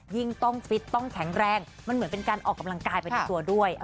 ยิ่งต้องฟิตต้องแข็งแรงมันเหมือนเป็นการออกกำลังกายไปในตัวด้วย